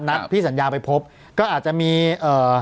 นัดพิพิสัญญาไปพบก็อาจจะมีเอ่อ